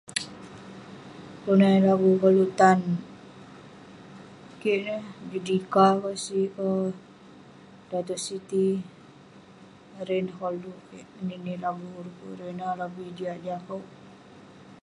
kelunan eh lobuk koluk tan kik ineh, judika ka sik ka, dato siti, ireh ineh koluk kik ngeninik lagu du'kuk ireh ineh lobih jiak jin akouk